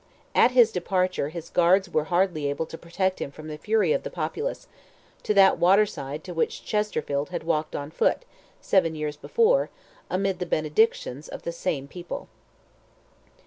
At his departure his guards were hardly able to protect him from the fury of the populace, to that waterside to which Chesterfield had walked on foot, seven years before, amid the benedictions of the same people.